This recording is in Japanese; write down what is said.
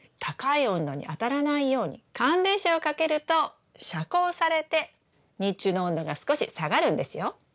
高い温度に当たらないように寒冷紗をかけると遮光されて日中の温度が少し下がるんですよ。